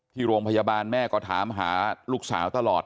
ที่โรงพยาบาลแม่ก็ถามหาลูกสาวตลอด